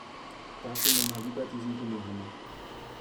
Dafür nimm mal lieber diesen Gummihammer.